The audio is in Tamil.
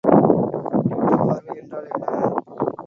கிட்டப்பார்வை என்றால் என்ன?